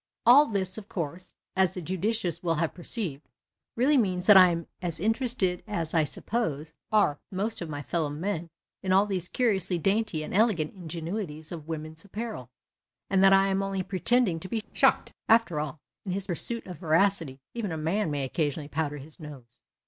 All this, of course, as the judicious will have perceived, really means that I am as interested as, I suppose, are most of my fellow men in all these curiously dainty and elegant ingenuities of women's apparel, and that I am only pretending to be shocked. (After all, in his pursuit of veracity, even a man may occasionally powder his nose.)